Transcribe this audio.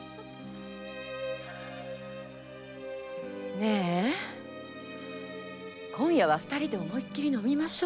ねえ今夜は二人で思いっきり飲みましょうよ。